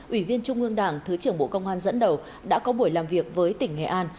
ủy viên trung ương đảng thứ trưởng bộ công an dẫn đầu đã có buổi làm việc với tỉnh nghệ an